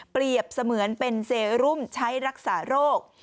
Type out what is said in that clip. เปรียบเสมือนเป็นเซรุ่มใช้รักษาโรค